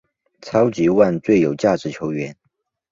超级碗最有价值球员。